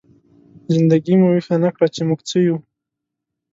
زنده ګي مو ويښه نه کړه، چې موږ څه يو؟!